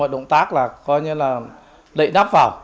động tác là coi như là đậy nắp vào